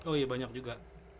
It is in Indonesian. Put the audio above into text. oh iya banyak juga